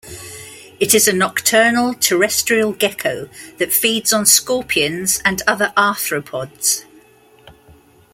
It is a nocturnal, terrestrial gecko that feeds on scorpions and other arthropods.